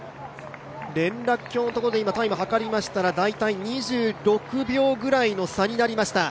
連絡橋のところでタイムを計りましたら大体２６秒ぐらいの差になりました。